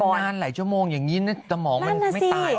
มันนานหลายชั่วโมงอย่างนี้ตมมันไม่ตาย